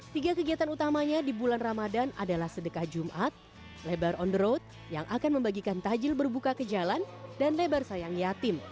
tiga kegiatan utamanya di bulan ramadan adalah sedekah jumat lebar on the road yang akan membagikan tajil berbuka ke jalan dan lebar sayang yatim